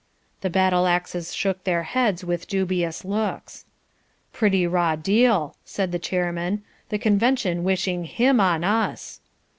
The battle axes shook their heads with dubious looks. "Pretty raw deal," said the Chairman, "the Convention wishing HIM on us."